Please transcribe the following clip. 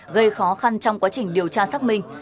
gây khó khăn trong quá trình điều tra xác minh